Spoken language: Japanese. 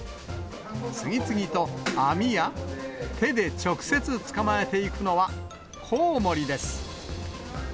次々と網や手で直接捕まえていくのは、コウモリです。